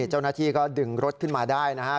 เจ้าหน้าที่ก็ดึงรถขึ้นมาได้นะครับ